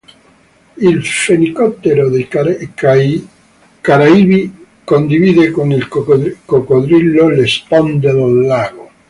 Il fenicottero dei Caraibi condivide con il coccodrillo le sponde del lago.